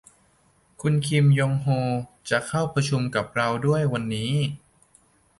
คุณคิมยองโฮจะเข้าประชุมกับเราด้วยวันนี้